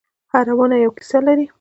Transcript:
هره ونه یوه کیسه لري.